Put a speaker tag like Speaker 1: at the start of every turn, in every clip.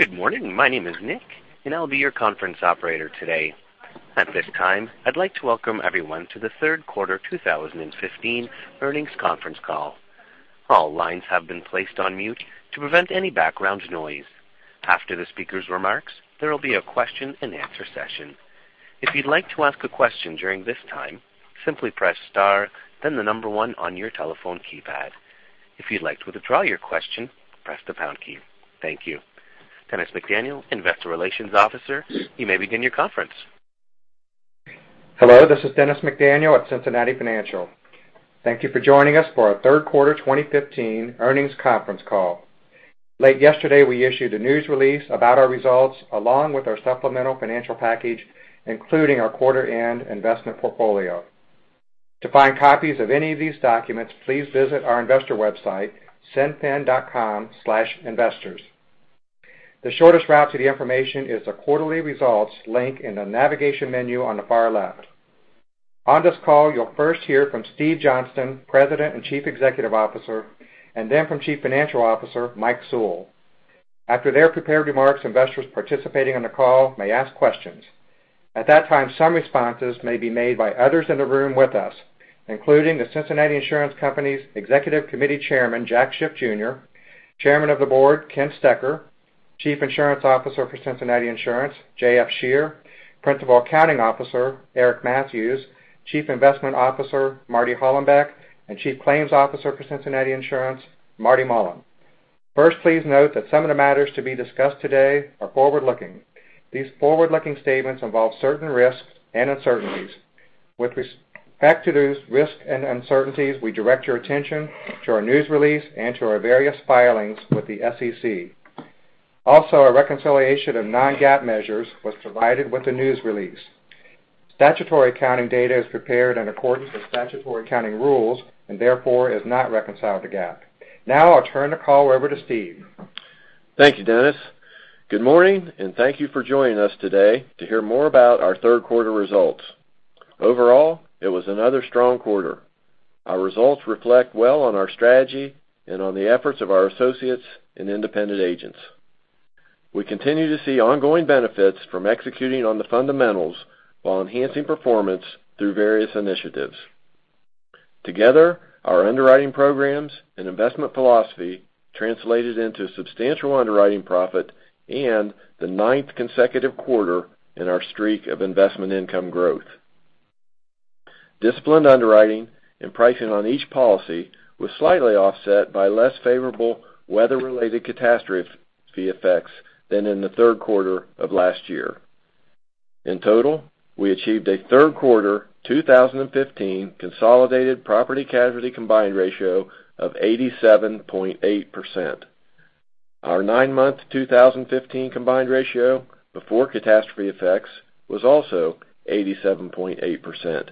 Speaker 1: Good morning. My name is Nick, I'll be your conference operator today. At this time, I'd like to welcome everyone to the third quarter 2015 earnings conference call. All lines have been placed on mute to prevent any background noise. After the speaker's remarks, there will be a question and answer session. If you'd like to ask a question during this time, simply press star, then the number 1 on your telephone keypad. If you'd like to withdraw your question, press the pound key. Thank you. Dennis McDaniel, Investor Relations Officer, you may begin your conference.
Speaker 2: Hello, this is Dennis McDaniel at Cincinnati Financial. Thank you for joining us for our third quarter 2015 earnings conference call. Late yesterday, we issued a news release about our results along with our supplemental financial package, including our quarter-end investment portfolio. To find copies of any of these documents, please visit our investor website, cinfin.com/investors. The shortest route to the information is the quarterly results link in the navigation menu on the far left. On this call, you'll first hear from Steve Johnston, President and Chief Executive Officer, then from Chief Financial Officer, Mike Sewell. After their prepared remarks, investors participating on the call may ask questions. At that time, some responses may be made by others in the room with us, including The Cincinnati Insurance Company's Executive Committee Chairman, Jack Schiff Jr., Chairman of the Board, Ken Stecher, Chief Insurance Officer for Cincinnati Insurance, J.F. Scherer, Principal Accounting Officer, Eric Mathews, Chief Investment Officer, Marty Hollenbeck, and Chief Claims Officer for Cincinnati Insurance, Marty Mullen. Please note that some of the matters to be discussed today are forward-looking. These forward-looking statements involve certain risks and uncertainties. With respect to those risks and uncertainties, we direct your attention to our news release and to our various filings with the SEC. A reconciliation of non-GAAP measures was provided with the news release. Statutory accounting data is prepared in accordance with statutory accounting rules and therefore is not reconciled to GAAP. I'll turn the call over to Steve.
Speaker 3: Thank you, Dennis. Good morning, thank you for joining us today to hear more about our third quarter results. Overall, it was another strong quarter. Our results reflect well on our strategy, on the efforts of our associates, and independent agents. We continue to see ongoing benefits from executing on the fundamentals while enhancing performance through various initiatives. Together, our underwriting programs, and investment philosophy translated into substantial underwriting profit, and the ninth consecutive quarter in our streak of investment income growth. Disciplined underwriting and pricing on each policy was slightly offset by less favorable weather-related catastrophe effects than in the third quarter of last year. In total, we achieved a third quarter 2015 consolidated property casualty combined ratio of 87.8%. Our nine-month 2015 combined ratio before catastrophe effects was also 87.8%,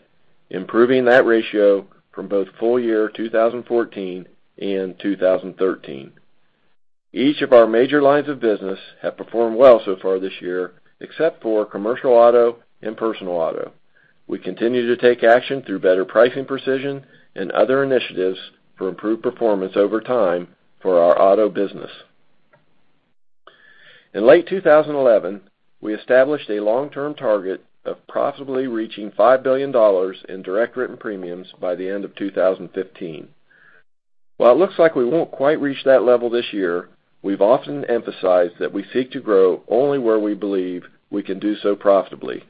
Speaker 3: improving that ratio from both full year 2014 and 2013. Each of our major lines of business have performed well so far this year, except for commercial auto and personal auto. We continue to take action through better pricing precision and other initiatives for improved performance over time for our auto business. In late 2011, we established a long-term target of possibly reaching $5 billion in direct written premiums by the end of 2015. While it looks like we won't quite reach that level this year, we've often emphasized that we seek to grow only where we believe we can do so profitably.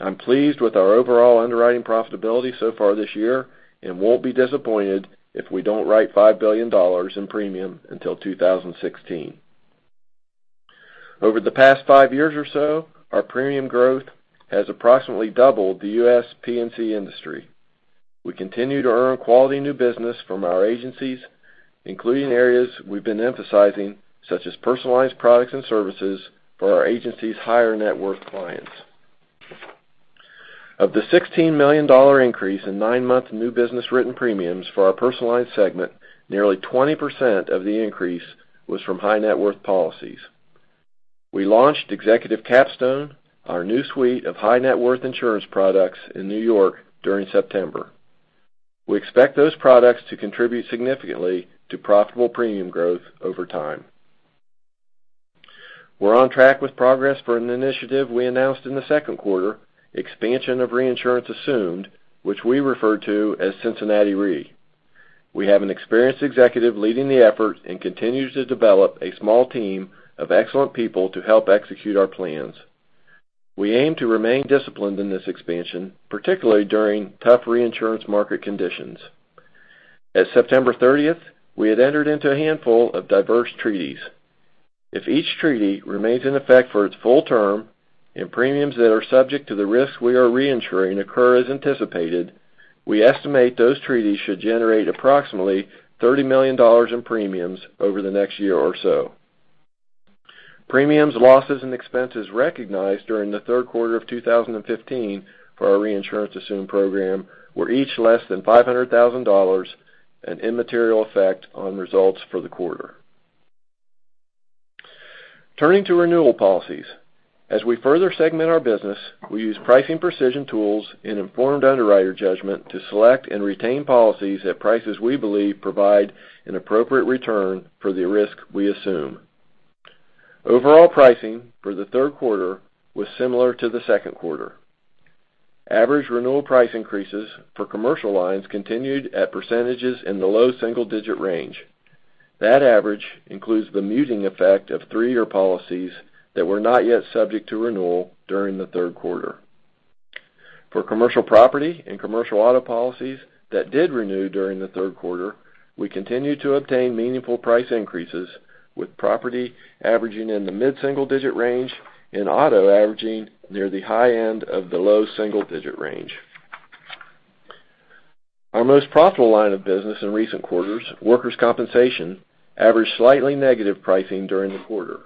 Speaker 3: I'm pleased with our overall underwriting profitability so far this year and won't be disappointed if we don't write $5 billion in premium until 2016. Over the past five years or so, our premium growth has approximately doubled the U.S. P&C industry. We continue to earn quality new business from our agencies, including areas we've been emphasizing, such as personalized products and services for our agencies' higher net worth clients. Of the $16 million increase in nine-month new business written premiums for our personalized segment, nearly 20% of the increase was from high net worth policies. We launched Executive Capstone, our new suite of high net worth insurance products in New York during September. We expect those products to contribute significantly to profitable premium growth over time. We're on track with progress for an initiative we announced in the second quarter, expansion of reinsurance assumed, which we refer to as Cincinnati Re. We have an experienced executive leading the effort and continue to develop a small team of excellent people to help execute our plans. We aim to remain disciplined in this expansion, particularly during tough reinsurance market conditions. At September 30th, we had entered into a handful of diverse treaties. If each treaty remains in effect for its full term and premiums that are subject to the risks we are reinsuring occur as anticipated, we estimate those treaties should generate approximately $30 million in premiums over the next year or so. Premiums, losses, and expenses recognized during the third quarter of 2015 for our reinsurance assumed program were each less than $500,000, an immaterial effect on results for the quarter. Turning to renewal policies. As we further segment our business, we use pricing precision tools and informed underwriter judgment to select and retain policies at prices we believe provide an appropriate return for the risk we assume. Overall pricing for the third quarter was similar to the second quarter. Average renewal price increases for commercial lines continued at percentages in the low single-digit range. That average includes the muting effect of three-year policies that were not yet subject to renewal during the third quarter. For commercial property and commercial auto policies that did renew during the third quarter, we continued to obtain meaningful price increases, with property averaging in the mid-single digit range and auto averaging near the high end of the low single-digit range. Our most profitable line of business in recent quarters, workers' compensation, averaged slightly negative pricing during the quarter.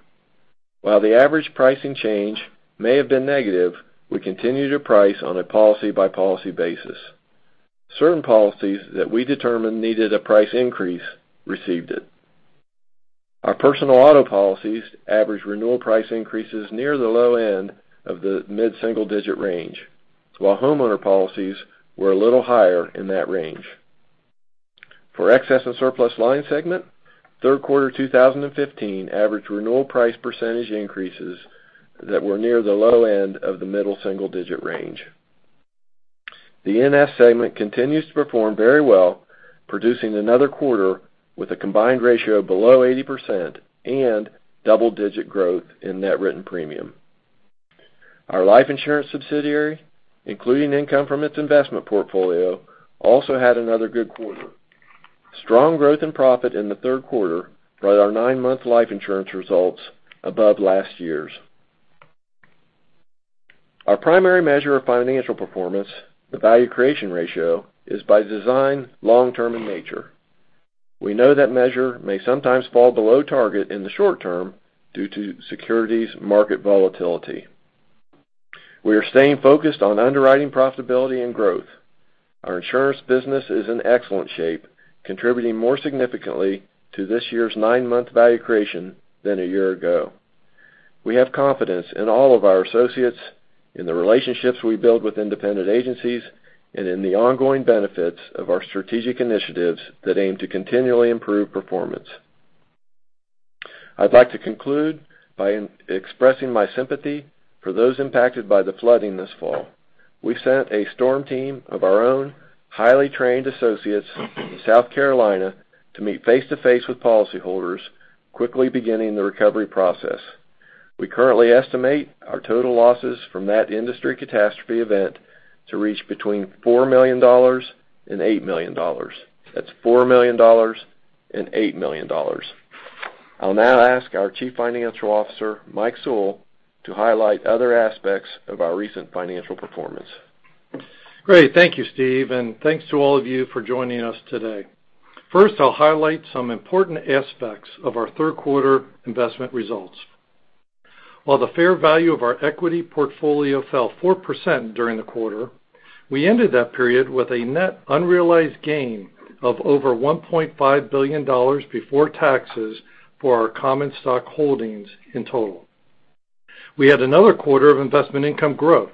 Speaker 3: While the average pricing change may have been negative, we continue to price on a policy-by-policy basis. Certain policies that we determined needed a price increase received it. Our personal auto policies average renewal price increases near the low end of the mid-single-digit range, while homeowner policies were a little higher in that range. For Excess & Surplus lines segment, third quarter 2015 average renewal price percentage increases that were near the low end of the mid-single-digit range. The E&S segment continues to perform very well, producing another quarter with a combined ratio below 80% and double-digit growth in net written premium. Our life insurance subsidiary, including income from its investment portfolio, also had another good quarter. Strong growth in profit in the third quarter brought our nine-month life insurance results above last year's. Our primary measure of financial performance, the value creation ratio, is by design long-term in nature. We know that measure may sometimes fall below target in the short term due to securities market volatility. We are staying focused on underwriting profitability and growth. Our insurance business is in excellent shape, contributing more significantly to this year's nine-month value creation than a year ago.
Speaker 4: Great. Thank you, Steve, and thanks to all of you for joining us today. First, I'll highlight some important aspects of our third quarter investment results. While the fair value of our equity portfolio fell 4% during the quarter, we ended that period with a net unrealized gain of over $1.5 billion before taxes for our common stock holdings in total. We had another quarter of investment income growth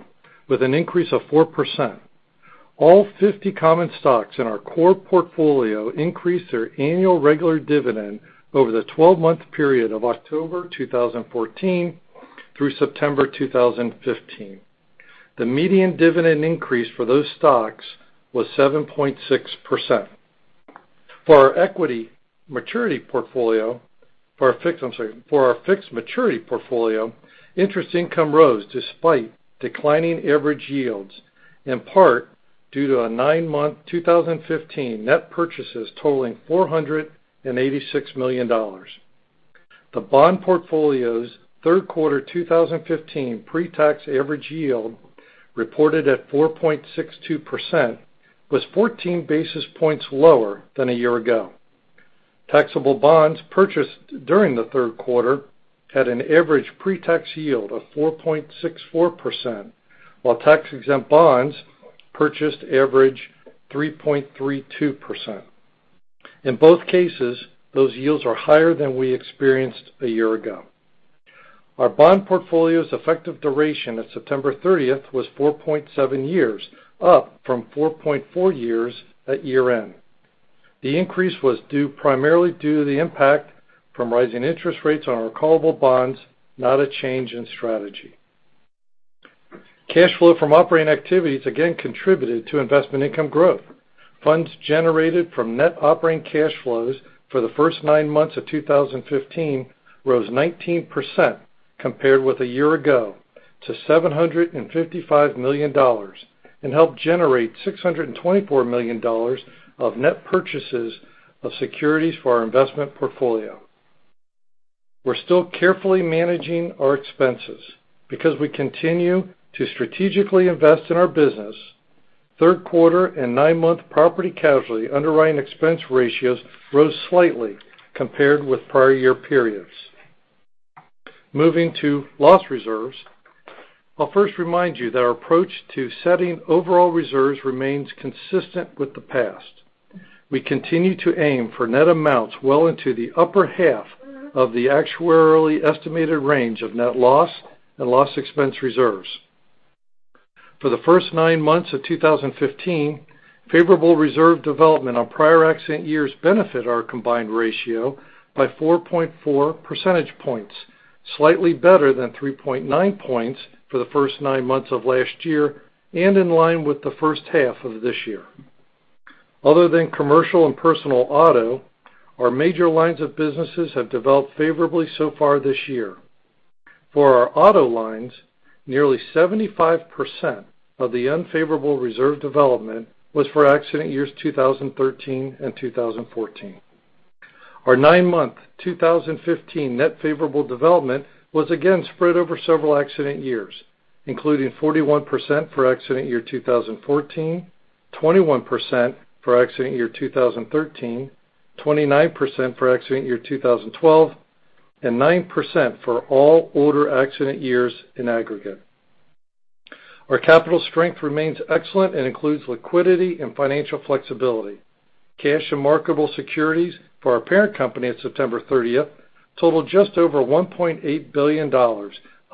Speaker 4: with an increase of 4%. All 50 common stocks in our core portfolio increased their annual regular dividend over the 12-month period of October 2014 through September 2015. The median dividend increase for those stocks was 7.6%. For our equity maturity portfolio, for our fixed maturity portfolio, interest income rose despite declining average yields, in part due to a nine-month 2015 net purchases totaling $486 million. The bond portfolio's third quarter 2015 pretax average yield, reported at 4.62%, was 14 basis points lower than a year ago. Taxable bonds purchased during the third quarter had an average pretax yield of 4.64%, while tax-exempt bonds purchased average 3.32%. In both cases, those yields are higher than we experienced a year ago. compared with a year ago, to $755 million, and helped generate $624 million of net purchases of securities for our investment portfolio. We're still carefully managing our expenses. Because we continue to strategically invest in our business, third quarter and nine-month property casualty underwriting expense ratios rose slightly compared with prior year periods. Moving to loss reserves. I'll first remind you that our approach to setting overall reserves remains consistent with the past. We continue to aim for net amounts well into the upper half of the actuarially estimated range of net loss and loss expense reserves. For the first nine months of 2015, favorable reserve development on prior accident years benefit our combined ratio by 4.4 percentage points, slightly better than 3.9 points for the first nine months of last year and in line with the first half of this year. Other than commercial and personal auto, our major lines of businesses have developed favorably so far this year. For our auto lines, nearly 75% of the unfavorable reserve development was for accident years 2013 and 2014. Our nine-month 2015 net favorable development was again spread over several accident years, including 41% for accident year 2014, 21% for accident year 2013, 29% for accident year 2012, and 9% for all older accident years in aggregate. Our capital strength remains excellent and includes liquidity and financial flexibility. Cash and marketable securities for our parent company at September 30th totaled just over $1.8 billion,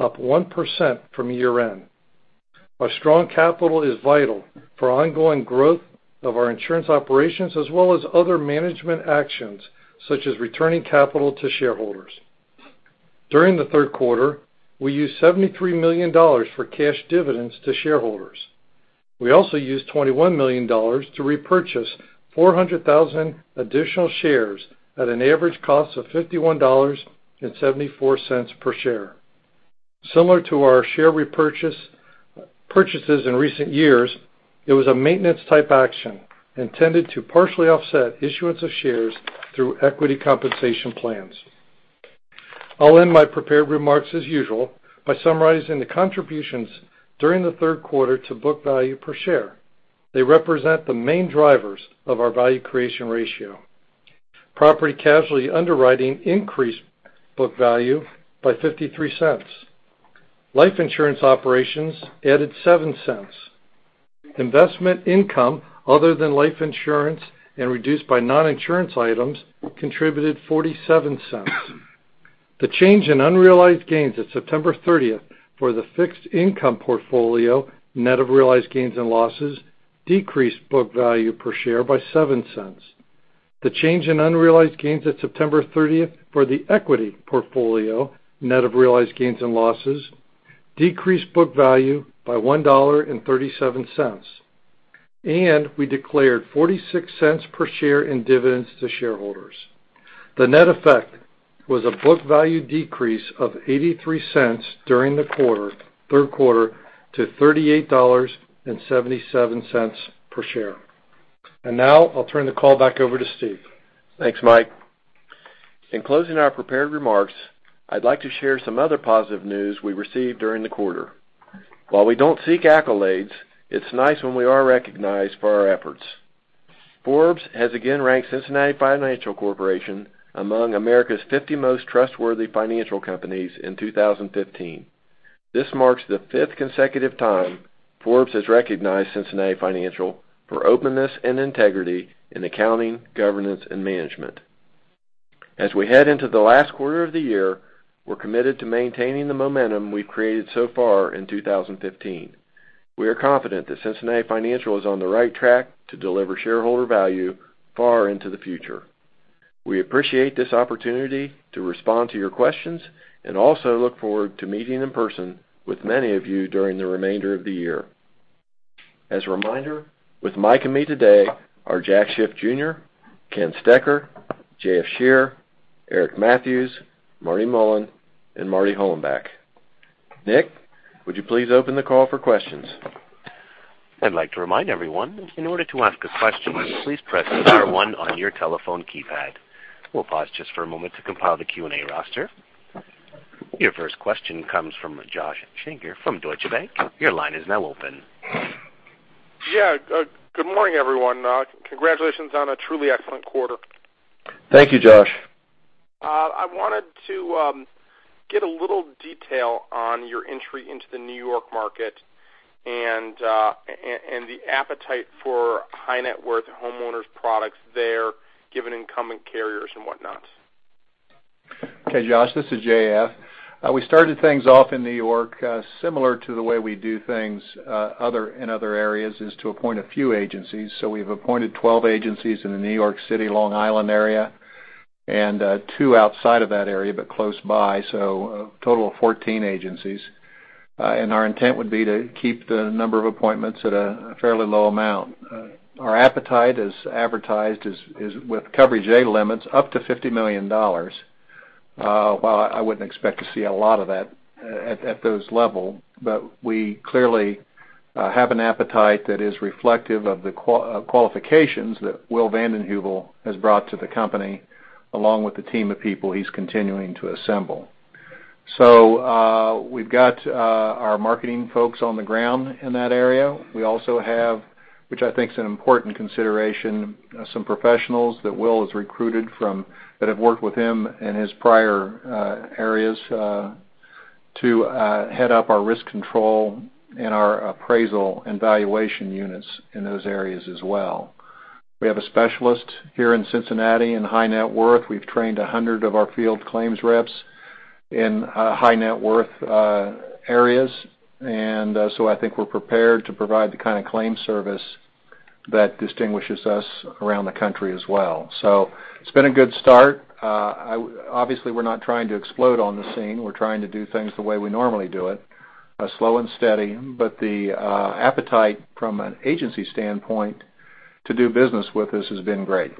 Speaker 4: up 1% from year-end. Our strong capital is vital for ongoing growth of our insurance operations, as well as other management actions, such as returning capital to shareholders. During the third quarter, we used $73 million for cash dividends to shareholders. We also used $21 million to repurchase 400,000 additional shares at an average cost of $51.74 per share. Similar to our share repurchases in recent years, it was a maintenance type action intended to partially offset issuance of shares through equity compensation plans. I'll end my prepared remarks as usual by summarizing the contributions during the third quarter to book value per share. They represent the main drivers of our value creation ratio. Property casualty underwriting increased book value by $0.53. Life insurance operations added $0.07. Investment income other than life insurance and reduced by non-insurance items contributed $0.47. The change in unrealized gains at September 30th for the fixed income portfolio, net of realized gains and losses, decreased book value per share by $0.07. The change in unrealized gains at September 30th for the equity portfolio, net of realized gains and losses, decreased book value by $1.37. We declared $0.46 per share in dividends to shareholders. The net effect was a book value decrease of $0.83 during the third quarter to $38.77 per share. Now I'll turn the call back over to Steve.
Speaker 3: Thanks, Mike. In closing our prepared remarks, I'd like to share some other positive news we received during the quarter. While we don't seek accolades, it's nice when we are recognized for our efforts. Forbes has again ranked Cincinnati Financial Corporation among America's 50 most trustworthy financial companies in 2015. This marks the fifth consecutive time Forbes has recognized Cincinnati Financial for openness and integrity in accounting, governance, and management. As we head into the last quarter of the year, we're committed to maintaining the momentum we've created so far in 2015. We are confident that Cincinnati Financial is on the right track to deliver shareholder value far into the future. We appreciate this opportunity to respond to your questions and also look forward to meeting in person with many of you during the remainder of the year. As a reminder, with Mike and me today are Jack Schiff Jr., Ken Stecher, J.F. Scherer, Eric Mathews, Marty Mullen, and Marty Hollenbeck. Nick, would you please open the call for questions?
Speaker 1: I'd like to remind everyone, in order to ask a question, please press star one on your telephone keypad. We'll pause just for a moment to compile the Q&A roster. Your first question comes from Joshua Shanker from Deutsche Bank. Your line is now open.
Speaker 5: Yeah. Good morning, everyone. Congratulations on a truly excellent quarter.
Speaker 3: Thank you, Josh.
Speaker 5: I wanted to get a little detail on your entry into the New York market and the appetite for high net worth homeowners products there, given incumbent carriers and whatnot.
Speaker 6: Okay, Josh, this is J.F. We started things off in New York, similar to the way we do things in other areas, is to appoint a few agencies. We've appointed 12 agencies in the New York City, Long Island area, and 2 outside of that area, but close by, a total of 14 agencies. Our intent would be to keep the number of appointments at a fairly low amount. Our appetite, as advertised, is with Coverage A limits up to $50 million. While I wouldn't expect to see a lot of that at those level, but we clearly have an appetite that is reflective of the qualifications that Will Van Den Heuvel has brought to the company, along with the team of people he's continuing to assemble. We've got our marketing folks on the ground in that area. Some professionals that Will has recruited that have worked with him in his prior areas to head up our risk control and our appraisal and valuation units in those areas as well. We have a specialist here in Cincinnati in high net worth. We've trained 100 of our field claims reps in high net worth areas. I think we're prepared to provide the kind of claim service that distinguishes us around the country as well. It's been a good start. Obviously, we're not trying to explode on the scene. We're trying to do things the way we normally do it, slow and steady. The appetite from an agency standpoint to do business with us has been great.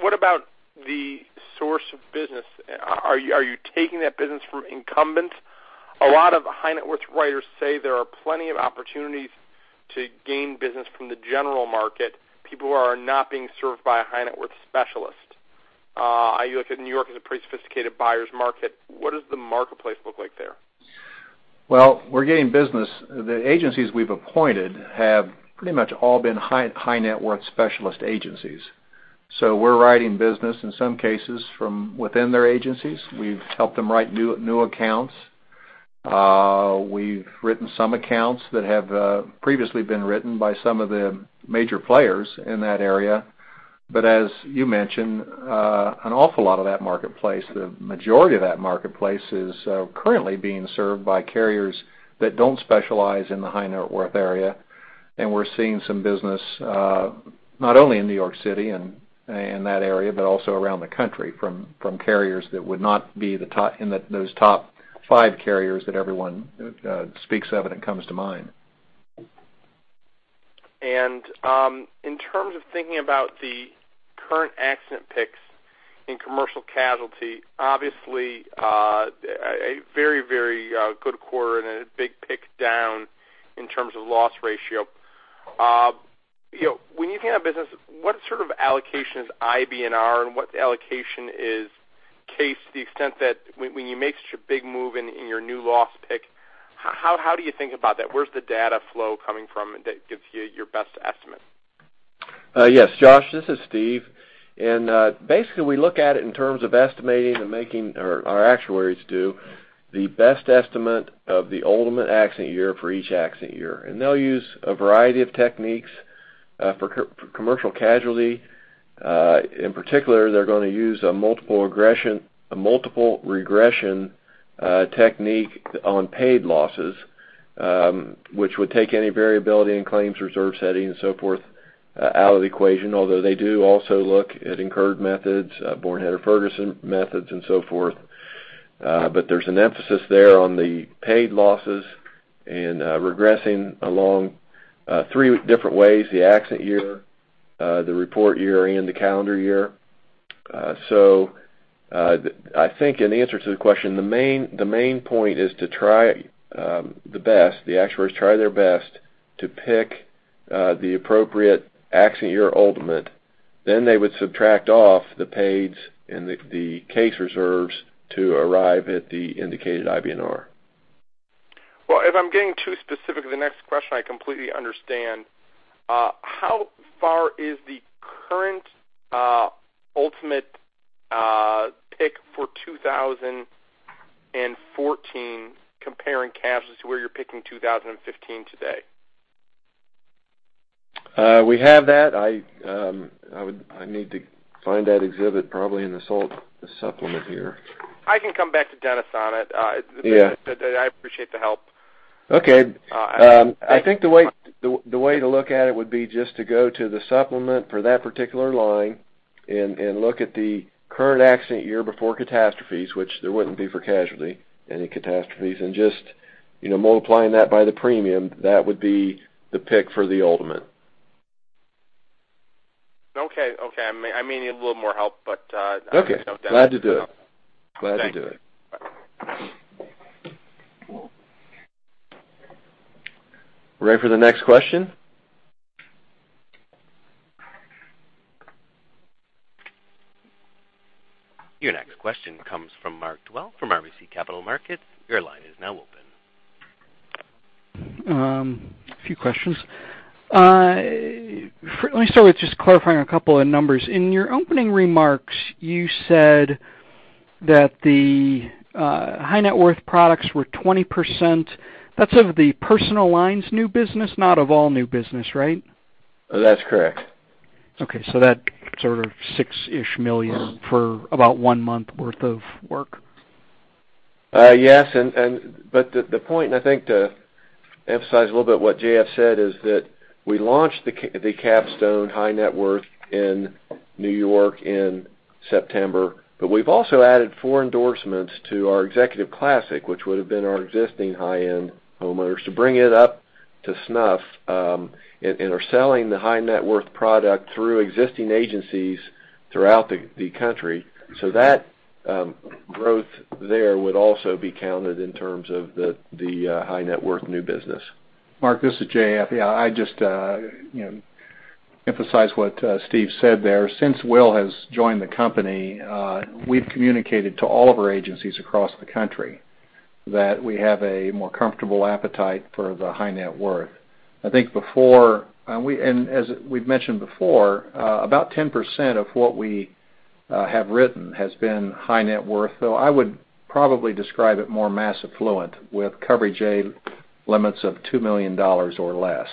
Speaker 5: What about the source of business? Are you taking that business from incumbents? A lot of high net worth writers say there are plenty of opportunities to gain business from the general market, people who are not being served by a high net worth specialist. You look at New York as a pretty sophisticated buyer's market. What does the marketplace look like there?
Speaker 6: We're getting business. The agencies we've appointed have pretty much all been high net worth specialist agencies. We're writing business, in some cases, from within their agencies. We've helped them write new accounts. We've written some accounts that have previously been written by some of the major players in that area. As you mentioned, an awful lot of that marketplace, the majority of that marketplace, is currently being served by carriers that don't specialize in the high net worth area. We're seeing some business, not only in New York City and that area, but also around the country from carriers that would not be in those top five carriers that everyone speaks of and it comes to mind.
Speaker 5: In terms of thinking about the current accident picks in commercial casualty, obviously, a very good quarter and a big pick down in terms of loss ratio. When you think about business, what sort of allocation is IBNR, and what allocation is case to the extent that when you make such a big move in your new loss pick, how do you think about that? Where's the data flow coming from that gives you your best estimate?
Speaker 3: Yes, Josh, this is Steve. Basically, we look at it in terms of estimating and making our actuaries do the best estimate of the ultimate accident year for each accident year. They'll use a variety of techniques for commercial casualty. In particular, they're going to use a multiple regression technique on paid losses, which would take any variability in claims reserve setting and so forth out of the equation. Although they do also look at incurred methods, Bornhuetter-Ferguson methods, and so forth. There's an emphasis there on the paid losses and regressing along three different ways, the accident year, the report year, and the calendar year. I think in answer to the question, the main point is the actuaries try their best to pick the appropriate accident year ultimate.
Speaker 6: They would subtract off the paids and the case reserves to arrive at the indicated IBNR.
Speaker 5: If I'm getting too specific with the next question, I completely understand. How far is the current ultimate pick for 2014 commercial casualty to where you're picking 2015 today?
Speaker 3: We have that. I need to find that exhibit probably in the supplement here.
Speaker 5: I can come back to Dennis on it.
Speaker 3: Yeah. I appreciate the help. Okay. I think the way to look at it would be just to go to the supplement for that particular line and look at the current accident year before catastrophes, which there wouldn't be for casualty, any catastrophes. Just multiplying that by the premium, that would be the pick for the ultimate.
Speaker 5: Okay. I may need a little more help.
Speaker 3: Okay. Glad to do it. Thank you. Glad to do it. Ready for the next question?
Speaker 1: Your next question comes from Mark Dwelle from RBC Capital Markets. Your line is now open.
Speaker 7: A few questions. Let me start with just clarifying a couple of numbers. In your opening remarks, you said that the high net worth products were 20%. That's of the personal lines new business, not of all new business, right?
Speaker 3: That's correct.
Speaker 7: Okay. That sort of six-ish million for about one month worth of work.
Speaker 3: Yes. The point I think to emphasize a little bit what J.F. said is that we launched the Capstone high net worth in N.Y. in September, we've also added four endorsements to our Executive Classic, which would have been our existing high-end homeowners to bring it up to snuff, and are selling the high net worth product through existing agencies throughout the country. That growth there would also be counted in terms of the high net worth new business.
Speaker 6: Mark, this is J.F. I emphasize what Steve said there. Since Will has joined the company, we've communicated to all of our agencies across the country that we have a more comfortable appetite for the high net worth. As we've mentioned before, about 10% of what we have written has been high net worth, though I would probably describe it more mass affluent with Coverage A limits of $2 million or less.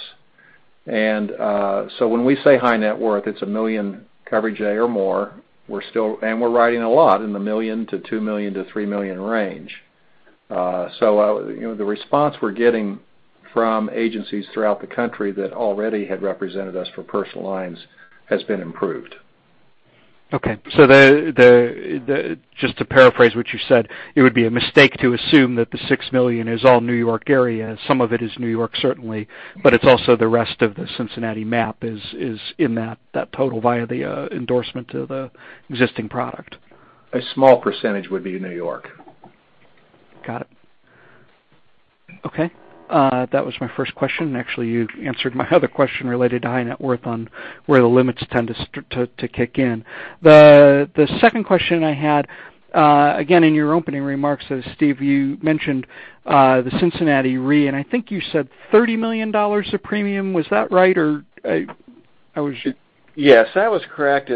Speaker 6: When we say high net worth, it's 1 million Coverage A or more, and we're writing a lot in the $1 million to $2 million to $3 million range. The response we're getting from agencies throughout the country that already had represented us for personal lines has been improved.
Speaker 7: Okay. Just to paraphrase what you said, it would be a mistake to assume that the $6 million is all N.Y. area. Some of it is N.Y., certainly, but it's also the rest of the Cincinnati map is in that total via the endorsement of the existing product.
Speaker 6: A small percentage would be N.Y.
Speaker 7: Got it. Okay. That was my first question. Actually, you've answered my other question related to high net worth on where the limits tend to kick in. The second question I had, again, in your opening remarks, Steve, you mentioned the Cincinnati Re, and I think you said $30 million of premium. Was that right?
Speaker 3: Yes, that was correct.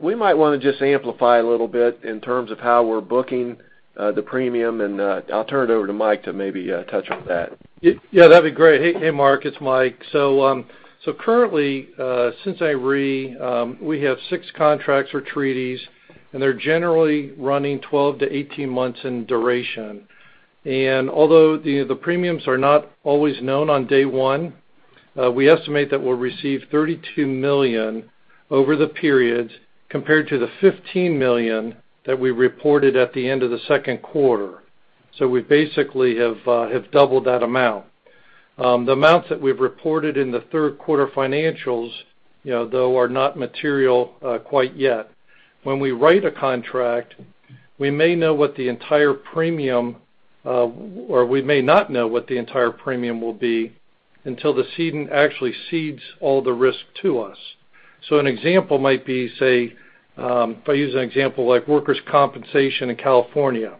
Speaker 3: We might want to just amplify a little bit in terms of how we're booking the premium, and I'll turn it over to Mike to maybe touch on that.
Speaker 4: Yeah, that'd be great. Hey, Mark, it's Mike. Currently, Cincinnati Re, we have six contracts or treaties, and they're generally running 12-18 months in duration. Although the premiums are not always known on day one, we estimate that we'll receive $32 million over the period compared to the $15 million that we reported at the end of the second quarter. We basically have doubled that amount. The amounts that we've reported in the third quarter financials, though, are not material quite yet. When we write a contract, we may not know what the entire premium will be until the cedent actually cedes all the risk to us. An example might be, say, if I use an example like workers' compensation in California.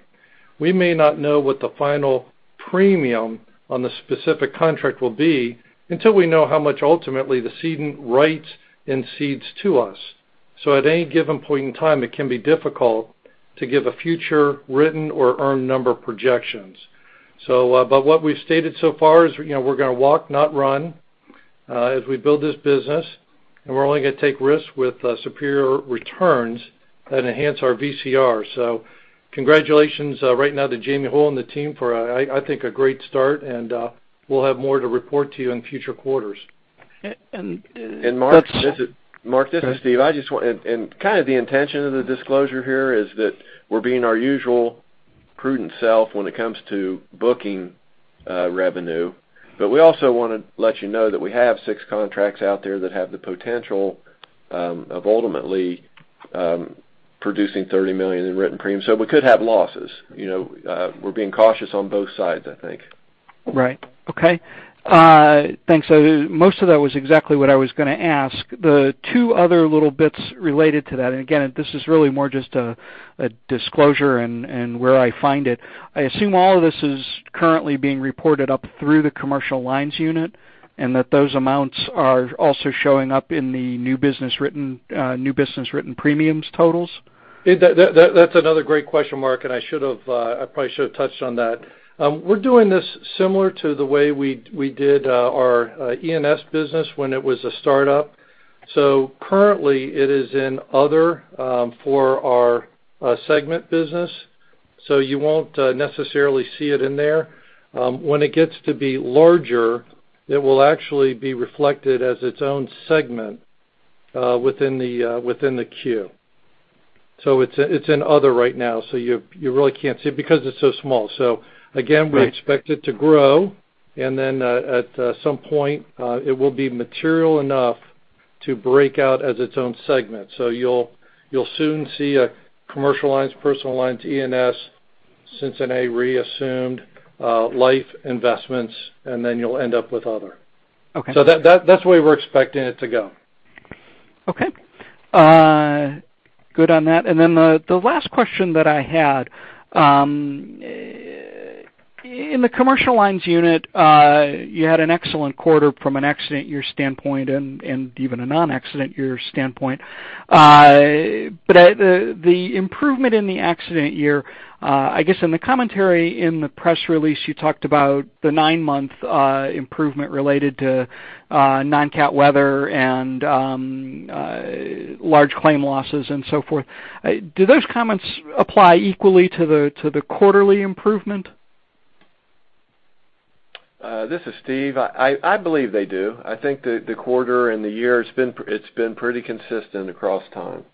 Speaker 4: We may not know what the final premium on the specific contract will be until we know how much ultimately the cedent writes and cedes to us. At any given point in time, it can be difficult to give a future written or earned number projections. What we've stated so far is we're going to walk, not run, as we build this business, and we're only going to take risks with superior returns that enhance our VCR. Congratulations right now to Jamie Hole and the team for, I think, a great start, and we'll have more to report to you in future quarters.
Speaker 3: Mark, this is Steve. Kind of the intention of the disclosure here is that we're being our usual prudent self when it comes to booking revenue. We also want to let you know that we have six contracts out there that have the potential of ultimately producing $30 million in written premium. We could have losses. We're being cautious on both sides, I think.
Speaker 7: Right. Okay. Thanks. Most of that was exactly what I was going to ask. The two other little bits related to that, again, this is really more just a disclosure and where I find it. I assume all of this is currently being reported up through the commercial lines unit, that those amounts are also showing up in the new business written premiums totals?
Speaker 4: That's another great question, Mark, and I probably should have touched on that. We're doing this similar to the way we did our E&S business when it was a startup. Currently it is in other for our segment business, so you won't necessarily see it in there. When it gets to be larger, it will actually be reflected as its own segment within the queue. It's in other right now, so you really can't see it because it's so small. Again, we expect it to grow, and then at some point, it will be material enough to break out as its own segment. You'll soon see a commercial lines, personal lines, E&S, Cincinnati Re assumed life investments, and then you'll end up with other.
Speaker 7: Okay.
Speaker 4: That's the way we're expecting it to go.
Speaker 7: Okay. Good on that. Then the last question that I had. In the commercial lines unit, you had an excellent quarter from an accident year standpoint and even a non-accident year standpoint. The improvement in the accident year, I guess in the commentary in the press release, you talked about the nine-month improvement related to non-cat weather and large claim losses and so forth. Do those comments apply equally to the quarterly improvement?
Speaker 3: This is Steve. I believe they do. I think that the quarter and the year, it's been pretty consistent across time.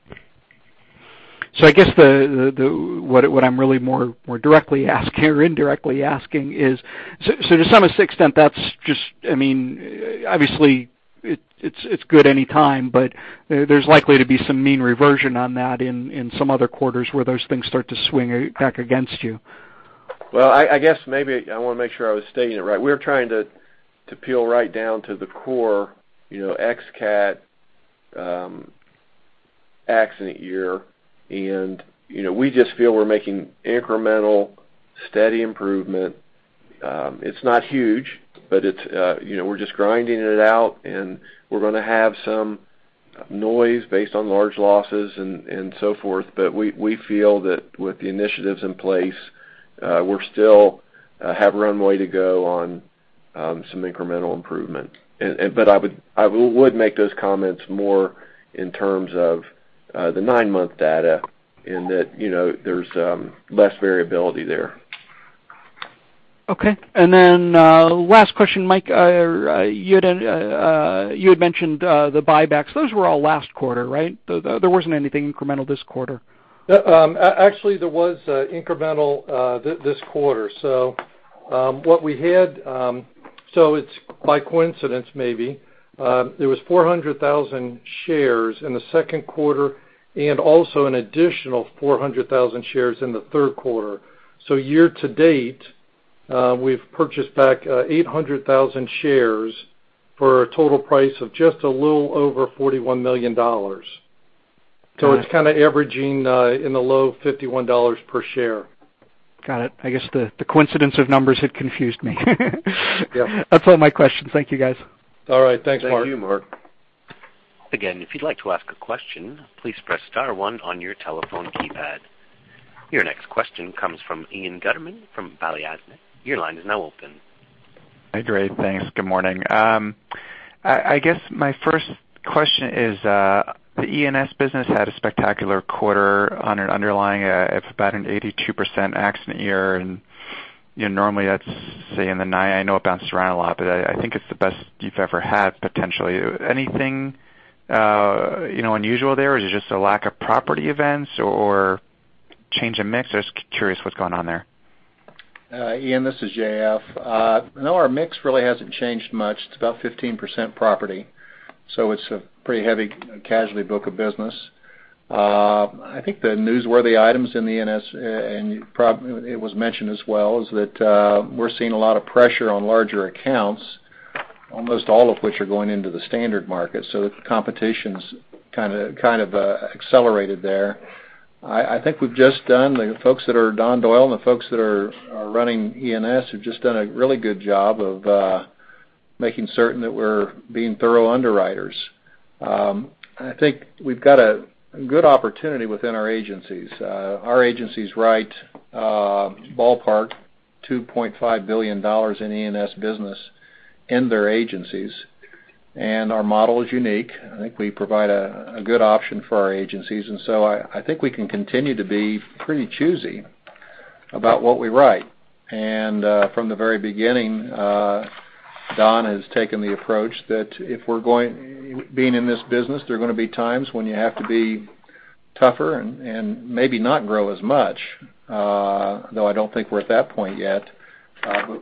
Speaker 7: I guess what I'm really more directly asking or indirectly asking is, to some extent, obviously, it's good any time, but there's likely to be some mean reversion on that in some other quarters where those things start to swing back against you.
Speaker 3: I guess maybe I want to make sure I was stating it right. We were trying to peel right down to the core, ex cat accident year, we just feel we're making incremental steady improvement. It's not huge, but we're just grinding it out, and we're going to have some noise based on large losses and so forth. We feel that with the initiatives in place, we still have runway to go on some incremental improvement. I would make those comments more in terms of the nine-month data in that there's less variability there.
Speaker 7: Last question, Mike, you had mentioned the buybacks. Those were all last quarter, right? There wasn't anything incremental this quarter.
Speaker 4: There was incremental this quarter. What we had, it's by coincidence, maybe. There was 400,000 shares in the second quarter and also an additional 400,000 shares in the third quarter. Year to date, we've purchased back 800,000 shares for a total price of just a little over $41 million. It's kind of averaging in the low $51 per share.
Speaker 7: Got it. I guess the coincidence of numbers had confused me.
Speaker 4: Yeah.
Speaker 7: That's all my questions. Thank you, guys.
Speaker 3: All right. Thanks, Mark.
Speaker 4: Thank you, Mark.
Speaker 1: If you'd like to ask a question, please press star one on your telephone keypad. Your next question comes from Ian Gutterman from Balyasny. Your line is now open.
Speaker 8: Hi, great. Thanks. Good morning. I guess my first question is, the E&S business had a spectacular quarter on an underlying, it's about an 82% accident year. Normally that's, say, I know it bounced around a lot, but I think it's the best you've ever had, potentially. Anything unusual there, or is it just a lack of property events or change in mix? Just curious what's going on there.
Speaker 6: Ian, this is J.F. Our mix really hasn't changed much. It's about 15% property, it's a pretty heavy casualty book of business. I think the newsworthy items in the E&S, it was mentioned as well, is that we're seeing a lot of pressure on larger accounts, almost all of which are going into the standard market. The competition's kind of accelerated there. The folks that are Don Doyle and the folks that are running E&S have just done a really good job of making certain that we're being thorough underwriters. I think we've got a good opportunity within our agencies. Our agencies write ballpark $2.5 billion in E&S business in their agencies, our model is unique. I think we provide a good option for our agencies, I think we can continue to be pretty choosy about what we write. From the very beginning, Don has taken the approach that if we're being in this business, there are going to be times when you have to be tougher and maybe not grow as much. Though I don't think we're at that point yet.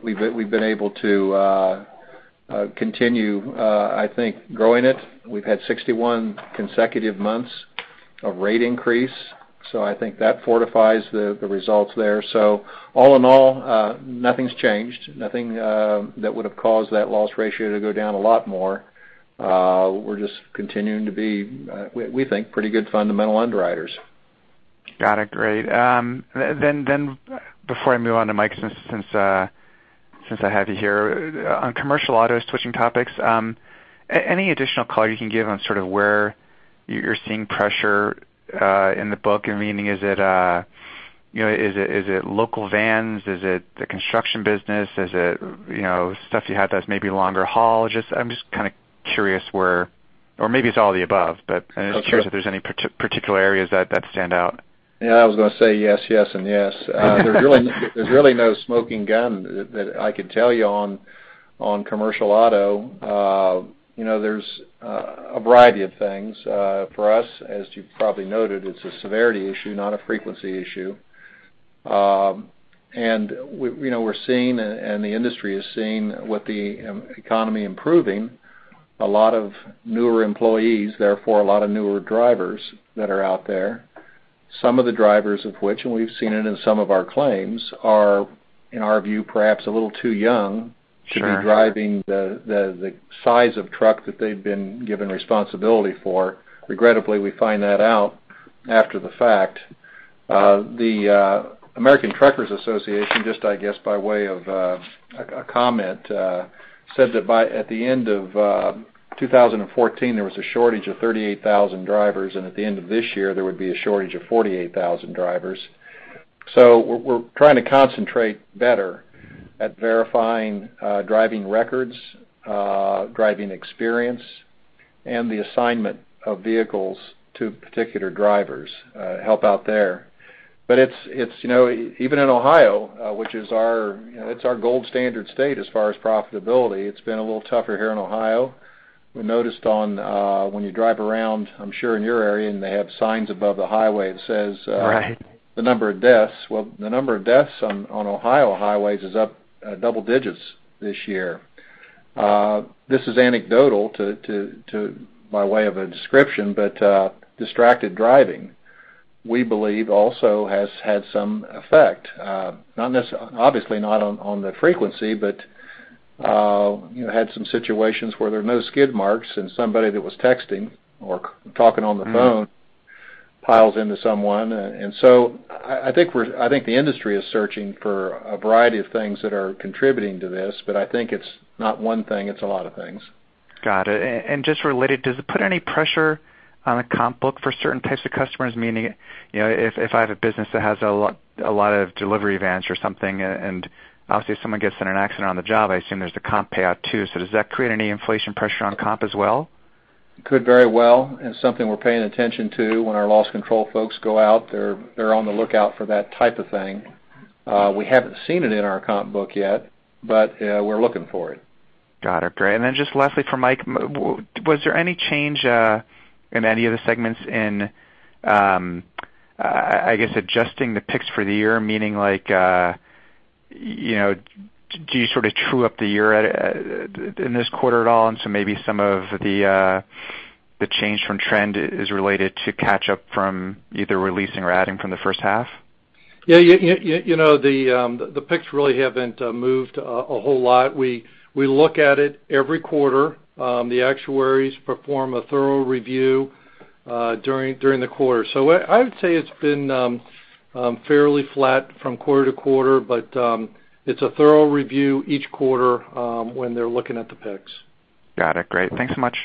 Speaker 6: We've been able to continue, I think, growing it. We've had 61 consecutive months of rate increase, I think that fortifies the results there. All in all, nothing's changed. Nothing that would have caused that loss ratio to go down a lot more. We're just continuing to be, we think, pretty good fundamental underwriters.
Speaker 8: Got it. Great. Before I move on to Mike, since I have you here. On commercial autos, switching topics, any additional color you can give on sort of where you're seeing pressure in the book? Meaning, is it local vans? Is it the construction business? Is it stuff you had that's maybe longer haul? I'm just kind of curious where, or maybe it's all the above, but I'm just curious if there's any particular areas that stand out.
Speaker 6: Yeah, I was going to say yes, and yes. There's really no smoking gun that I could tell you on commercial auto. There's a variety of things. For us, as you've probably noted, it's a severity issue, not a frequency issue. We're seeing, and the industry is seeing with the economy improving, a lot of newer employees, therefore, a lot of newer drivers that are out there. Some of the drivers of which, and we've seen it in some of our claims, are, in our view, perhaps a little too young to be driving the size of truck that they've been given responsibility for. Regrettably, we find that out after the fact. The American Trucking Associations just, I guess by way of a comment, said that at the end of 2014, there was a shortage of 38,000 drivers, and at the end of this year, there would be a shortage of 48,000 drivers. We're trying to concentrate better at verifying driving records, driving experience, and the assignment of vehicles to particular drivers help out there. Even in Ohio, which is our gold standard state as far as profitability, it's been a little tougher here in Ohio. We noticed when you drive around, I'm sure in your area, and they have signs above the highway that says.
Speaker 8: Right
Speaker 6: The number of deaths. Well, the number of deaths on Ohio highways is up double digits this year. This is anecdotal by way of a description, distracted driving, we believe, also has had some effect. Obviously not on the frequency, but had some situations where there are no skid marks and somebody that was texting or talking on the phone piles into someone. I think the industry is searching for a variety of things that are contributing to this, but I think it's not one thing, it's a lot of things.
Speaker 8: Just related, does it put any pressure on a comp book for certain types of customers? Meaning, if I have a business that has a lot of delivery vans or something, and obviously if someone gets in an accident on the job, I assume there's a comp payout too. Does that create any inflation pressure on comp as well?
Speaker 6: It could very well, something we're paying attention to when our loss control folks go out, they're on the lookout for that type of thing. We haven't seen it in our comp book yet, we're looking for it.
Speaker 8: Got it. Great. Just lastly for Mike, was there any change in any of the segments in, I guess, adjusting the picks for the year? Meaning, like, do you sort of true up the year in this quarter at all, maybe some of the change from trend is related to catch up from either releasing or adding from the first half?
Speaker 4: Yeah. The picks really haven't moved a whole lot. We look at it every quarter. The actuaries perform a thorough review during the quarter. I would say it's been fairly flat from quarter to quarter, it's a thorough review each quarter when they're looking at the picks.
Speaker 8: Got it. Great. Thanks so much.